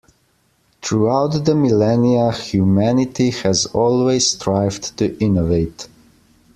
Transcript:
Throughout the millenia, humanity has always strived to innovate.